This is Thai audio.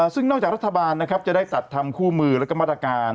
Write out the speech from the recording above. ซึ่งนอกจากรัฐบาลนะครับจะได้จัดทำคู่มือแล้วก็มาตรการ